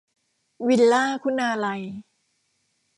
วิลล่า คุณาลัย